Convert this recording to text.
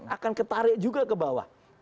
akan ketarik juga ke bawah